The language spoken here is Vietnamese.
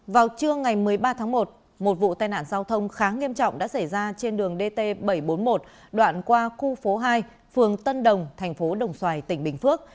vào trưa ngày một mươi ba tháng một một vụ tai nạn giao thông khá nghiêm trọng đã xảy ra trên đường dt bảy trăm bốn mươi một đoạn qua khu phố hai phường tân đồng thành phố đồng xoài tỉnh bình phước